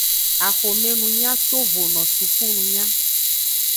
Axomenunya tovono sukununya.